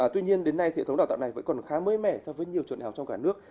tuy nhiên đến nay hệ thống đào tạo này vẫn còn khá mới mẻ so với nhiều trường đại học trong cả nước